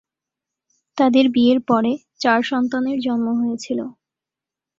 তাদের বিয়ের পরে চার সন্তানের জন্ম হয়েছিল।